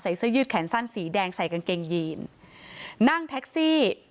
เสื้อยืดแขนสั้นสีแดงใส่กางเกงยีนนั่งแท็กซี่